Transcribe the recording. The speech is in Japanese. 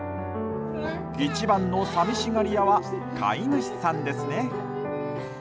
一番の寂しがり屋は飼い主さんですね。